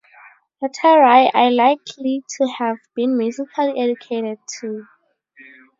Hetairai are likely to have been musically educated, too.